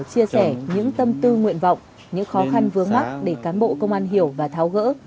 chia sẻ những tâm tư nguyện vọng những khó khăn vướng mắt để cán bộ công an hiểu và tháo gỡ